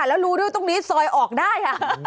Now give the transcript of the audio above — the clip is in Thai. แล้วรู้ด้วยตรงนี้ซอยออกได้